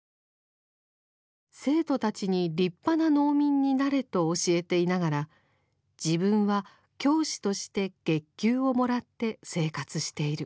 生徒たちに立派な農民になれと教えていながら自分は教師として月給をもらって生活している。